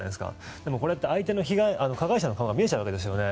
でもこれは相手の加害者の顔が見えちゃうわけですよね。